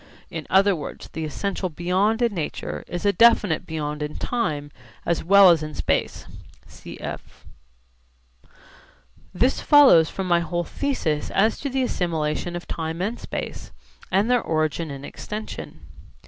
In other words the essential 'beyond' in nature is a definite beyond in time as well as in space [cf. pp. 53, 194]. This follows from my whole thesis as to the assimilation of time and space and their origin in extension.